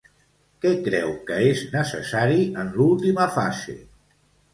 Què creu que és necessari en l'última fase?